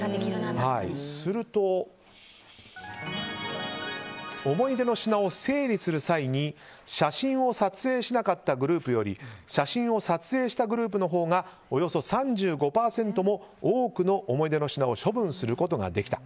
すると思い出の品を整理する際に写真を撮影しなかったグループより写真を撮影したグループのほうがおよそ３５％も多くの思い出の品を処分することができた。